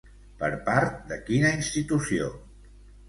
Per part de quina institució?